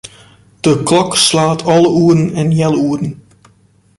De klok slacht alle oeren en healoeren.